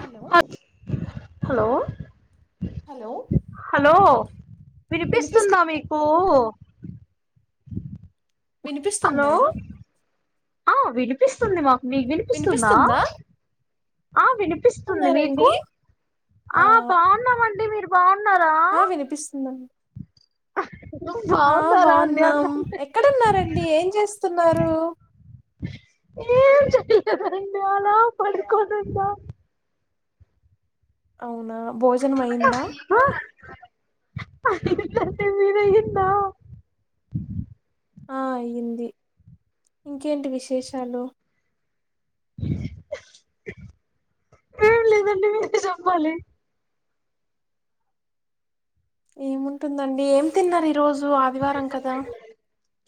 Hello hello hello hello వినిపిస్తు వినిపిస్తుందా మీకు కు హలో వినిపిస్తుందా ఆ వినిపిస్తుంది మాక్ మీకు వినిపిస్తుందా ఆ వినిపిస్తుంది ఉన్నారండి మీకు ఆ బాగున్నామండి మీరు బాన్ ఆ వినిపిస్తుందండి ఆ బాగున్నారా అండి అన్న బాగున్నాం ఎక్కడున్నారండి ఏం చేస్తున్నారు ఇకా తనిమాల పడిికొంటందా అవ్ నా భోజనము అయ్యిందా అయ్యిందండి మీది అయ్యిందా ఆ అయ్యింది ఇంకేంటి విశేషాలు ఏం లేదండి మీరే చెప్పాలి ఏముంటుందండి ఏం తిన్నారు ఈ రోజు ఆదివారం కదా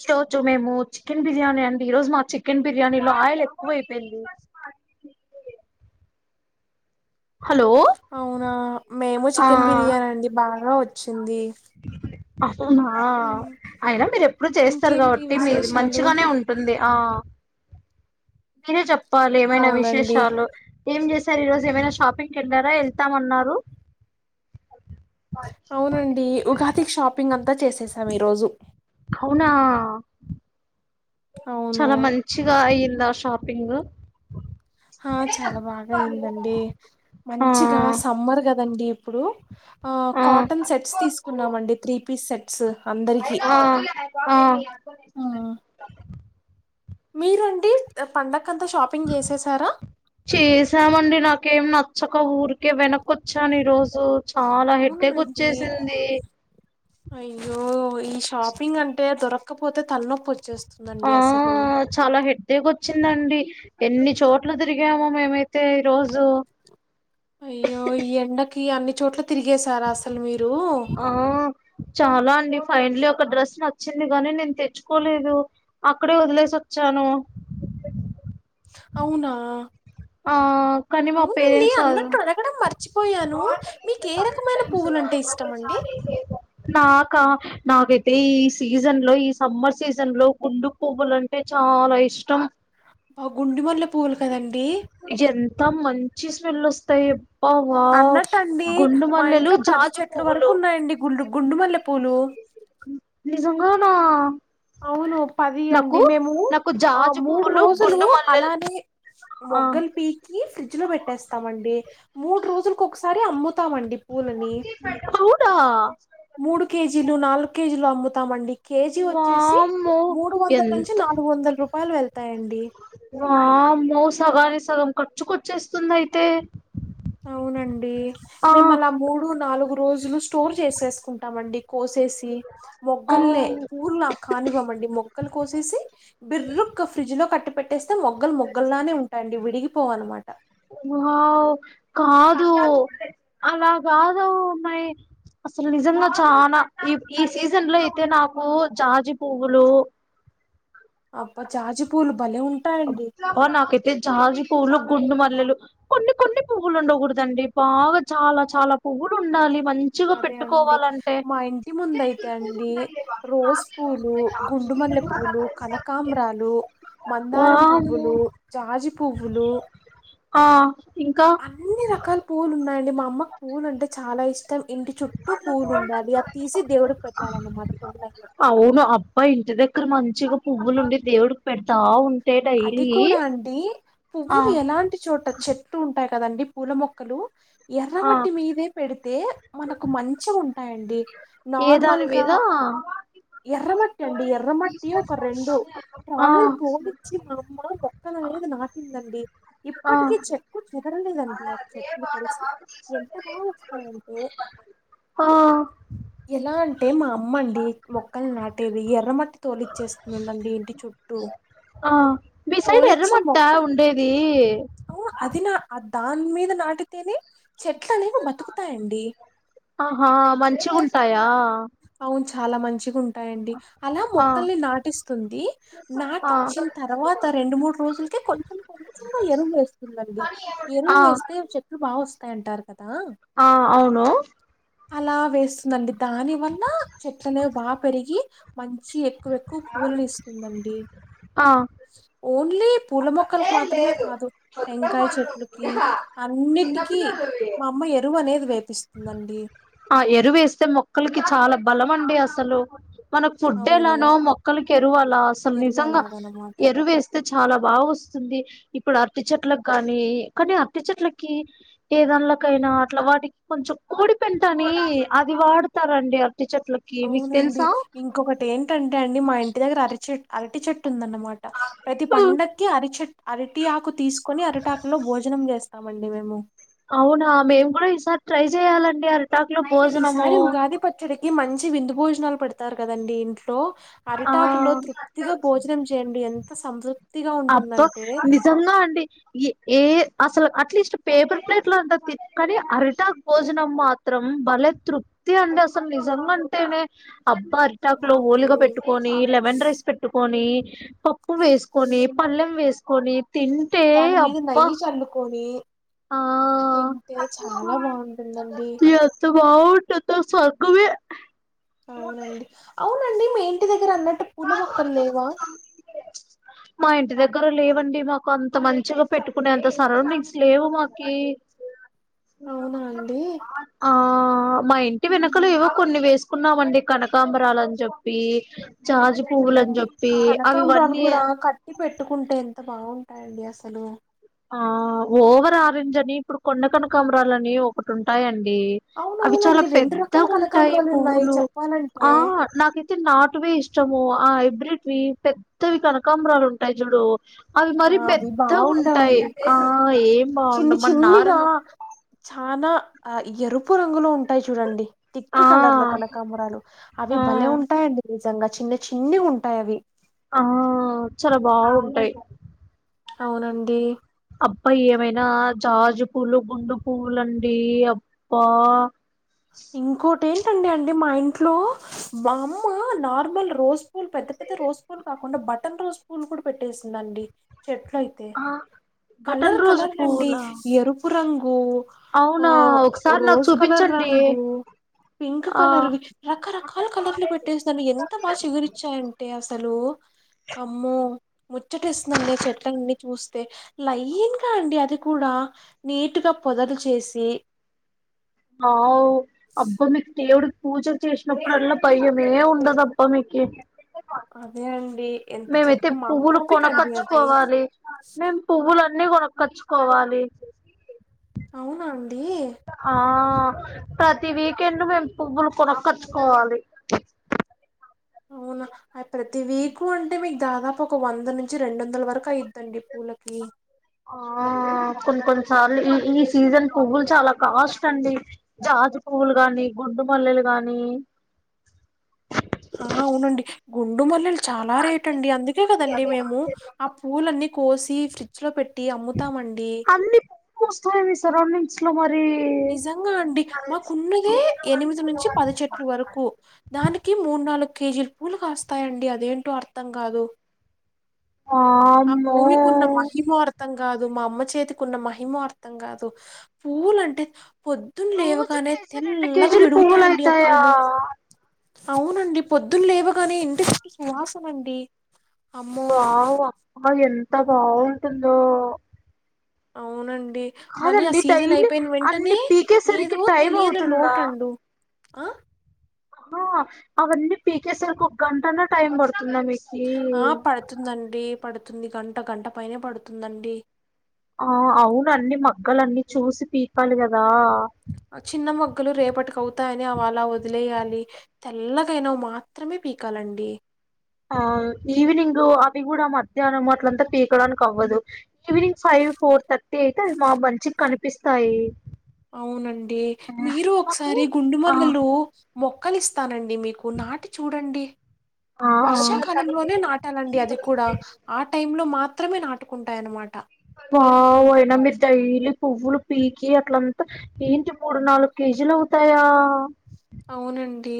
ఈ రోజు మేము చికెన్ బిర్యానీ అండి ఈ రోజు మా చికెన్ బిర్యానీలో ఆయిల్ ఎక్కువ అయిపోయింది హలో అవునా మేము ఆ చికెన్ బిర్యానీ అండి బాగా వ చ్చింది అస్ తో నా అయినా మీరు ఎప్పుడు చేస్తారు ఇంకేంటి కాబట్టి మీది విశేషాలు మంచిగానే ఉంటుంది ఆ మీరే చెప్ పాలి ఏమైనా అవునండి విశేషాలు ఏం చేస్ సారే ఈ రోజు ఏమైనా షాపింగ్ కి వెళ్ళారా వెళ్తామన్నారు అవునండి ఉగాది షాపింగ్ అంతా చేసేసాం ఈరోజు అవునా అవును చాలా మంచిగా అయిన్ నా షాపింగ్ ఆ చాలా బాగా అయిందండి ఆ మంచిగా సమ్మర్ కదండి ఇప్పుడు ఆ కాటన్ సెట్స్ తీసుకున్నామండి త్రీ పీస్ సెట్స్ అందరికి ఆ ఆ మీరు అండి పండ చేసామండి నాకేం నచ్చక ఊర కే వెనక్కొచ్చా ఈరోజు తో చాలా అవునా హెడేక్ అండి వచ్చేసింది అయ్యో ఈ షాపింగ్ అంటే దొరక కపోతే తల నొప్పి వచ్చేస్ ఆ చాలా హెడేక్ వచ్చి ఉందండి ఎన్ని చోట్లు తిరిగాము మేమైతే ఈ రోజు అయ్యో ఈ ఎండకి అన్ని చోట్ల తిరిగేశారా అసలు మీరు ఫైన్లీ ఒక డ్రెస్ నచ్చింది గాని నేను తెచ్చుకోలేదు అక్కడే వదిలేసి వచ్చాను అవునా ఆ కానీ మా అవునండి పేరెంట్స్ అ అన్నట్టు అడగడం మర్చిపోయాను మీకు ఏ రకమైన పువ్వులంటే ఇష్టం అండి నాకా నాకైతే ఈ సీజన్ లో ఈ సమ్మర్ సీజన్ లో కుండు పువ్వులంటే చాలా ఇష్టం బా గుండి మళ్ల యంత మం చిస్మెల్లు వస్తాయ అన్నటండి మా ఇంట్లో పది జాజి చెట్లు వరకు పువ్వులు ఉన్నాయండి గు గుండుమల్లె పూలు అవునా అవును పది అండి మేము నాకు ఆ జాజు మూడు పువ్వులు రోజులు గుండు మల్లెలు అలానే ఆ మొగ్గల్ పీకి ఫ్రిడ్జ్ లో పెట్టేస్తామండి మూడు రోజులకు ఒకసారి అమ్ము తామండి పూలని అవునా మూడు కేజీలు నాలుగు కేజీలు మ్ముతామండి కేజి వ వచ్చేసి వామ్మో మూడు వందల నుంచి ఎంత నాలుగు వందల రూపా పలు వెళ్తాయం వామ్మో సగనికి స సగం ఖర్చుకొచ్చేస్తుంది అయితే అవునండి ఆ మేము అలా మూడు నాలుగు రోజులు స్టోర్ చేసేసుకుంటామండి కోస్ ఎ సి ఆ మొగ్గల్లే పూవ్వుల్లా కానివ్వమండి మొక్కలు కోసేసి బిర్రుక్ ఫ్రిడ్జ్ లో కట్టి పేట్టెస్ యితే మొగ్గల్ మొగ్గల్లానే ఉంటాండి విడిగిపోవ అన్నమాట వావ్ కాదు అలాగాదు ఉన్నాయి అసలు నిజంగా చానా ఈ ఈ సీజన్ లో అయితే నాకు జాజి పువ్వులు అప్ప జాజీ పూలు భలే ఉంటాయండి అ నాకైతే జాజి పూలు గుండు మల్లెలు కొన్ని కొన్ని పువ్వులు ఉండకూడదండి బాగా చాలా చాలా పువ్వులు ఉండాలి మంచిగా అదే అండి పెట్టుకోవాలంటే మా ఇంటి ముందు అయితే అండి రోజు పూలు గుండుమల్లె పూలు కనకాంమ్రాలు మ ందారం వామ్మో పువ్వులు జాజీ పువ్వులు ఆ ఇంకా అన్ని రకాల పూలు ఉన్నాయి మా అమ్మకు పూలు అంటే చా చాలా ఇష్ ష్టం ఇంటి చుట్టూ పూలు ఉండాలి అ తీసి దేవుడుకు పెట్టాలన్నమాట పులైన చిగా పువ్వులు ఉండి దేవుడికి పెడతా ఉ అది కూడా అండి ఆ పువ్వులు ఎలాంటి చోట చెట్టు ఉంటాయి కదండి పూల మొక్కలు ఆ ఎర్రమట్టి మీదే పెడితే మనకు మంచిగా ఉ అండి ఏ దాని మీద ఎర్రమట్టి అండి ఎర్రమట్టి ఆ వచ్చి మా అమ్మ మొక్కల్ అనేది నాటిందండి ఆ ఇప్పటికి చెక్కు చిదర దండి ఆ చెట్లు తెలుసా ఎంత బాగా వస్తాయంటే ఆ ఎలాంటి తే మా అమ్మ అండి మొక్కలు నా తిధి ఎర్ర మట్ తోలిచ్చేస్తుందండి ఇంటి చుట్టూ ఆ మీ సైడ్ ఎర్రమట్ట ఉండేది అవ్ అది నా దాన్ మీద నాటితేనే చెట్లు అనేవి బతుకుతాయండి ఆహా మంచిఉంటాయా అవును చాలా మంచిగా ఉ ఉంటాయండి అలా ఆ మొక్కల్ని నాటిస్తుంది ఆ నాటించిన తర్వాత రెండు మూడు రోజులకే కొంచెం కొంచెం ఎరువు వేస్తుందిండి ఎరువు ఆ వేస్తే చెట్లు బాగా వస్ తై అంటారు కదా ఆ అవును అలా వేస్తుందండి దాని వల్ల నా చెట్లనే బా పెరిగి మంచి ఎక్కువ ఎక్కువ పూలను ఇస్తుందండి ఆ లీప్ పూల మొక్కలకు మాత్రమే కాదు టెంకాయ చెట్లకి అన్నిటికీ మా అమ్మ ఎరువు అనేది వేపిస్తుందండి ఆ ఎరువేస్తే మొక్కలకి చాలా బలం అండి అసలు మనకు ఫుడ్ అవును ఎలానో మొక్కలకి ఎరువు అలా అసలు ఎరువు నిజంగా అలాగనమాట ఎరువేస్తే చాలా బాగా ఇప్పుడు అరటి చెట్లగాని కానీ అరటి చెట్లకి ఏదంలకైనా అట్లా వాటికి కొంచెం కోడి పెంటని అది వాడుతారండి అ అవునండి ఇంకొకటి ఏంటంటే అండి మా ఇంటి దగ్గర అరిచె అరటిచెట్. టుందన్నమాట ప్రతి పండక్కి అరిచె అరటి ఆకు తీసుకొని అరటాకులో భోజనం చెస్ ఇస్తామండి మేము. అవునా మేము కూడా ఈసారి ట్రై చేయాలండి టాకులో భోజనము. ఈసారి ఉగాది పచ్చడికి మంచి విందు భోజనాలు పెడతారు కదండి ఇంట్లో లో ఆ అరిటాకు లో తృప్తిగా భోజనం చేయండి ఎంత సంతృ అబ్బా నిజంగా అండి ఈ ఏ అసలు అట్లీస్ట్ పేపర్ ప్లేట్లు అంట తి కానీ అరిటాక్ భోజనం మాత్రం భలే తృప్తి అండి అసలు నిజంగా అంటేనే. అబ్బా అరిటాక్లో ఓలిగా అవునండి పెట్టుకొని, లెమన్ రైస్ పెట్టుకొని. పప్పు వేసుకొని పల్లెం వేసుకొని తింటే దాని మీద అబ్బా నెయ్యి చల్లుకొని ఆ తింటే చాలా బాగుంటుందండి. ఎంత బాగుంటుందో స్వర్గమే అవునండి అవున్ అండి మీ ఇంటి దగ్గర అన్నట్టు పూల మొక్కలు లేవా. మా ఇంటి దగ్గర లేవండి మాకు అంత మంచిగా పెట్టుకునే అంత సరౌండింగ్స్ లేవు మాకి. అవునా అండి ఆ ఆ మా ఇంటి వెనకల ఆహా. ఏవో కొన్ని వేస్ కున్నామండి కనకాంబరాలని చెప్పి. జాజి ఓ పువ్వులాని జెప్పి అవి వన్ ఇయర్ ఈ పెట్టుకుంటే ఎంత బాగుంటాయండి అసలు. ఆ ఓవర్ ఆరెంజ్ అని ఇప్పుడు కొన్న కంనాకంబరాలని ఒకటి ఉంటాయండి. అవి చాలా అవునవునండి రెండు రకాల పెద్దగా ఉంటాయి కనకాంబరాలు ఉన్నాయి పువ్వులు చెప్పాలంటే ఆ నాకైతే నాటువే ఇష్టం. ఆ హైబ్రెటీవి పెద్దవి కనకాంబరాలు ఉంటాయి చూడు అవి ఆ మరి అవి పెద్దగున్ ఉంటాయి బాగుండవండి ఆ ఏం బావుండవ్ మరి నారును నాన ఆ ఎరుపు రంగులో ఉంటాయి చూడండి. థిక్ ఆ కలర్లో కనకాంబరాలు ఆ అవి భలే ఉంటాయండి నిజంగా. చిన్న చిన్నగ ఉంటాయి అవి. ఆ చాల బాగుంటయి. అవునండి. అబ్బా ఏమైనా జాజు పూలు, గుండు పువ్వులండీ అబ్బా. ఇంకోటీ రండి అండి మా ఇంట్లో, మా అమ్మ నార్మల్ గ రోజు పెద్ద పెద్ద రోజ్ పూల కా మొన్న బటన్ రోస్ పూలు కూడా పెట్టేసిందండి. చెట్లు అయితే ఆ బటన్ కలర్ రోజు కలర్ అండి పువ్వులా ఎరుపు రంగు. అవునా ఒకసారి నాకు చూపించండి. ఓ పింక్ ఆ కలర్వి రకరకాల కలర్లు పెట్టేస్తారు ఎంత బాగా చిగురరించాయంటే అసలు అమ్మో ముచ్చటిస్తుందండి చెట్లన్నీ చూస్తే లైన్గా అండి అది కూడా నీటుగా పొదలు చేసి. అ ఔ అబ్బ మీకు ఎవడు పూజ చేసినప్పుడల్లా పయ్యమే ఉండదబ్బ ఇమెకి అదే అండి ఎంత మేమైతే చెప్పు మా అమ్మ పువ్వులు ఓపికండి అది. అన్నీ కొనుక్కోచుకోవాలి. అవునా ఆ ప్రతి వీకెండ్ మేము పువ్వులు కొనుకొచ్చుకోవాలి. అవునా ఆ ప్రతి వీకు అంటే మీకు దాదాపు ఒక వంద నిమ్ రెండు వందల వరకు అయిద్దండి పూలకి. ఆ కొన్ని కొన్ని సార్లు ఈ ఈ సీజన్ పువ్వులు చాలా కాస్ట్ అండి జాజు పువ్వులు గాని, గుండు మల్లెలు గాని. ఆ అవునండి గుండు మల్లెలు చాలా రేటు అండి అందుకే కదండి మేము ఆ పూలన్నీ. కోసి ఫ్రిడ్జ్ లో పెట్. అన్ని పూలు పూస్తాయి మీ సరౌండింగ్. స్లో మోడ్ నిజంగా అండి మాకున్నదే ఎనిమిది నుంచి పది చెెట్ల వరకు దానికి మూడు, నాలుగు కేజీలు పూలు కాస్తాయండి అదేంటో అర్థం కాదు. ఆ వామ్మో భూమికి ఉన్న మహిమ అర్థంగా. కాదు మా అమ్మ చేతికి ఉన్న మహిమో అర్థం కాదు పువ్వులు అంటే. పొద్దున్న రోజు లేవగానే కేజీ రెండు తెల్లగా కేజీలు పువ్వులు విడుగుతాయండి ఆ అయితాయా పూలు అవునండి పొద్దులు లేవుగానే ఇంటికి సువాసన అండి బావ్ అబ ఎంత బావ ంద అవునండి మళ్ళీ ఆ సీజన్ డైలీ అయిపోయిన అన్ని వెంటనే పీకేసరికి ఏదో టైం తెలియని అవుతుందా లోటండు ఆ ఆ అవన్నీ పీకే సరికి ఒక గంటానే టైమ్ పడు అన్నా మీకి ఆ పడుతుందండి పడుతుంది గంట గంట పైనే పడుతుందండి ఆ అవున అన్ని మగ్గలన్ని చూసి పీకాలి కదా చిన్నమగ్ మక్కలు రేపటికి అవుతాయని అవి అలా వదిలేయాలి తెల్లగైనవి మాత్రమే పీకాలండి ఆ ఈవినింగ్ అవి కూడా మధ్యాహ్నం మాట్లంతా పీకడానికి అవ్వదు ఈవినింగ్ ఫైవ్ ఫోర్ థర్టీ అయితే అవి మా మంచికి కనిపిస్తాయి అవునండి ఉమ్, మీరు మాకు ఒకసారి ఆ గుండుమల్లలో మొక్కలు ఇస్తానండి మీకు నాటి చూడండి ఆ వర్షాకాలంలోనే నాటాలండి అది కూడా ఆ టైం లో మాత్రమే నాటుకుంటాయన్నమాట వావ్ అయిన మీరు డైలీ పువ్వులు పీకి అట్లంతా ఏంటి మూడు నాలుగు కేజీలు అవుతాయా అవునండి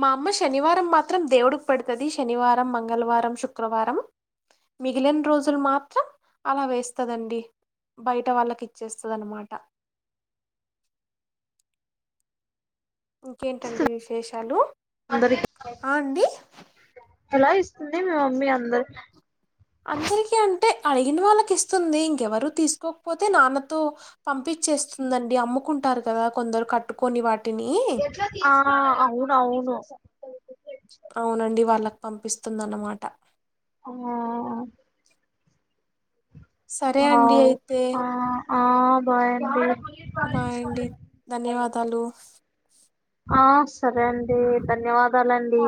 మా అమ్మ శనివారం మాత్రం దేవుడికి పడుతుంది శనివారం మంగళవారం శుక్రవారం మిగిలిన రోజులు మాత్రం అలా వేస్తుందిండి బయట వాళ్ళకి ఇచ్చేస్తుంది అనమాట ఇంకేంటండి విశేషాలు అందరికి ఆ అండి ఎలా ఇస్తుంది మ మమ్మీ అందరు అందరికను అంటే అడిగిన వాళ్ళకి ఇస్తుంది ఇంకెవరు తీసుకోకపోతే నాన్నతో పంపించేస్తుందండి అమ్ముకుంటారు కదా కొందరు కట్టుకొని వాటి అవునా అవును అవునండి వాళ్ళకు పంపిస్తుందన్నమాట ఆ సరే అండి వావ్ అయితే ఆ ఆ బాయ్ అండి బాయండి ధన్యవాదాలు ఆ సరే అండి ధన్యవాదాలండి